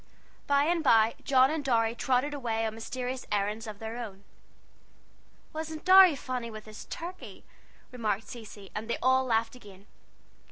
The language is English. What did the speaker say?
By and by John and Dorry trotted away on mysterious errands of their own. "Wasn't Dorry funny with his turkey?" remarked Cecy; and they all laughed again.